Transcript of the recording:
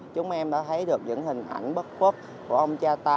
chúng em đã thấy được những hình ảnh bất khuất của ông cha ta